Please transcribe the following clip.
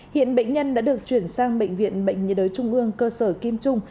hiện bệnh nhân đã được chuyển sang bệnh viện bệnh nhiệt đới trung ương cơ sở kim trung